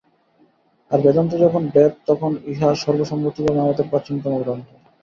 আর বেদান্ত যখন বেদ, তখন ইহা সর্বসম্মতিক্রমে আমাদের প্রাচীনতম গ্রন্থ।